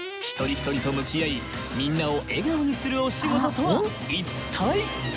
一人一人と向き合いみんなを笑顔にするお仕事とは一体？